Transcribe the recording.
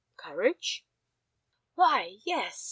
"Courage?" "Why, yes!